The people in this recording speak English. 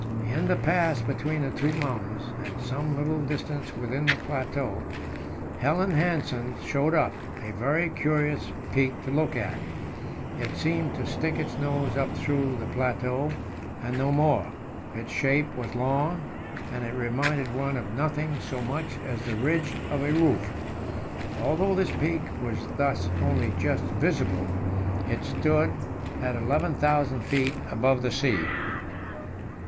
In the pass between the two mountains, and some little distance within the plateau, Helland Hansen showed up, a very curious peak to look at. It seemed to stick its nose up through the plateau, and no more; its shape was long, and it reminded one of nothing so much as the ridge of a roof. Although this peak was thus only just visible, it stood 11,000 feet above the sea.